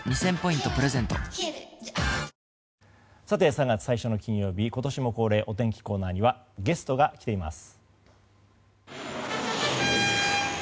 ３月最初の金曜日今年も恒例お天気コーナーにはゲストが来ています。